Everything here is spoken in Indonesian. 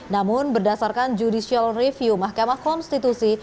namun berdasarkan judicial review mahkamah konstitusi